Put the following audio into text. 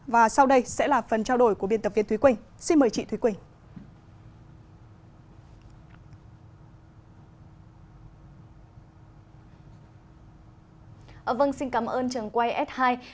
và sau đây sẽ là phần trao đổi của biên tập viên thúy quỳnh